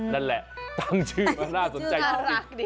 นั่นแหละตั้งชื่อมาน่าสนใจจริง